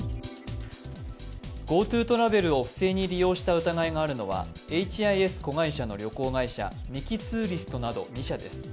ＧｏＴｏトラベルを不正に利用した疑いがあるのはエイチ・アイ・エス子会社のミキ・ツーリストなど２社です。